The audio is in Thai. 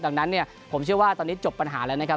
ดังนั้นเนี่ยผมเชื่อว่าตอนนี้จบปัญหาแล้วนะครับ